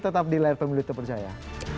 tetap di layar pemilu telepon saya